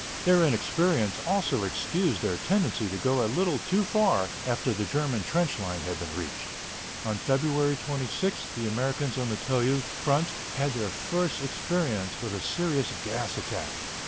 Their inexperience also excused their tendency to go a little too far after the German trench line had been reached. On February 26 the Americans on the Toul front had their first experience with a serious gas attack.